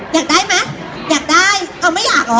อยากได้มั้ยอยากได้อ้าไม่อยากหรอ